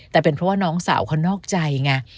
แต่เป็นเพราะว่าน้องสาวเขานอกใจไง